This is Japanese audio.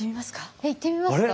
えっいってみますか？